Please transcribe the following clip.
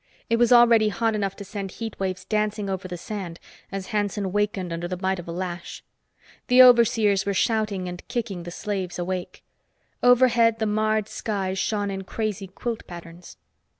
It was already hot enough to send heat waves dancing over the sand as Hanson wakened under the bite of a lash. The overseers were shouting and kicking the slaves awake. Overhead the marred sky shone in crazy quilt patterns.